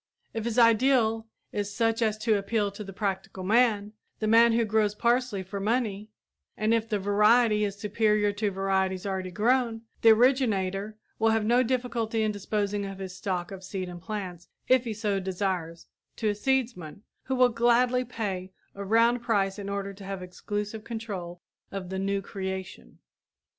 If his ideal is such as to appeal to the practical man the man who grows parsley for money and if the variety is superior to varieties already grown, the originator will have no difficulty in disposing of his stock of seed and plants, if he so desires, to a seedsman, who will gladly pay a round price in order to have exclusive control of the "new creation."